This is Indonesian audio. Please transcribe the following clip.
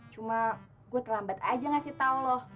cuma gue terlambat aja ngasih tau loh